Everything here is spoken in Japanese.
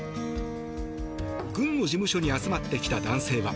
軍の事務所に集まってきた男性は。